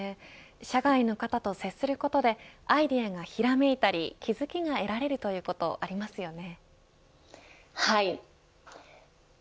社外の方と接することでアイデアがひらめいたり気付きが得られるということもありますよね。